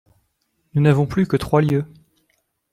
Nous n'avons plus que trois lieues.